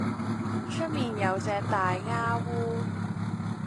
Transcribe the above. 出面有只大鴉烏